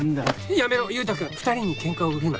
やめろ優太君２人にケンカを売るな。